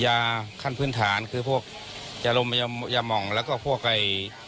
ยาขั้นพื้นฐานคือพวกยาลมยาหม่องแล้วก็พวกไอ้